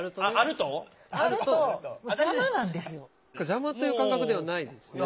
邪魔という感覚ではないですね